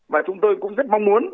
và chúng tôi cũng rất mong muốn